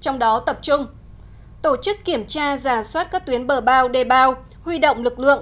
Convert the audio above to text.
trong đó tập trung tổ chức kiểm tra giả soát các tuyến bờ bao đề bao huy động lực lượng